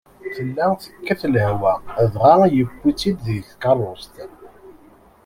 Tella tekkat lehwa, dɣa yewwi-tt-id deg tkeṛṛust.